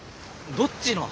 どっちの？